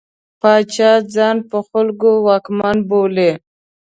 پاچا ځان په خلکو واکمن بولي.